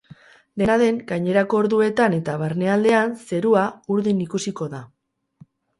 Dena den, gainerako orduetan eta barnealdean, zerua urdin ikusiko da.